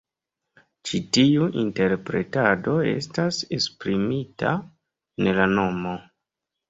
Ĉi tiu interpretado estas esprimita en la nomo.